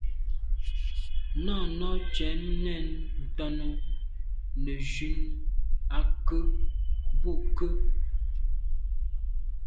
Náná cɛ̌d nɛ̂n ntɔ́nə́ nə̀ jún á kə̂ bû kə̂.